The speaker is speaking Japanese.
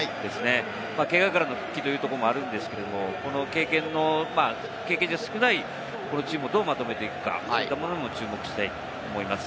けがからの復帰ということもあるんですが、経験は少ないチームをどうまとめていくか、そこも注目したいと思います。